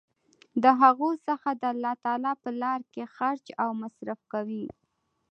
د هغو څخه د الله تعالی په لاره کي خرچ او مصر ف کوي